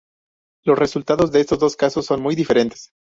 Los resultados en estos dos casos son muy diferentes.